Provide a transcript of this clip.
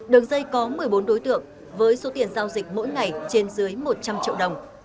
đường dây có một mươi bốn đối tượng với số tiền giao dịch mỗi ngày trên dưới một trăm linh triệu đồng